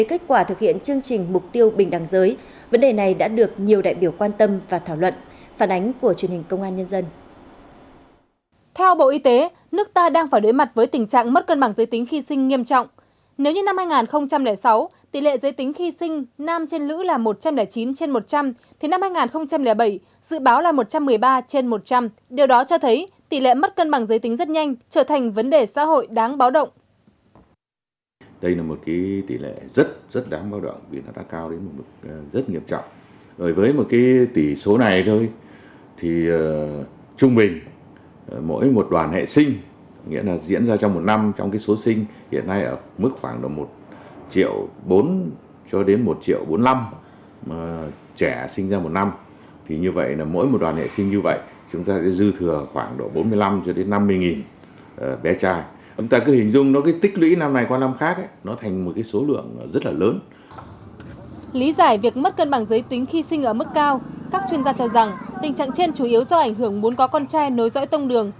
lý giải việc mất cân bằng giới tính khi sinh ở mức cao các chuyên gia cho rằng tình trạng trên chủ yếu do ảnh hưởng muốn có con trai nối dõi tông đường